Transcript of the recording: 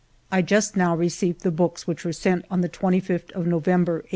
I just now received the books which were sent on the 25th of November, 1895.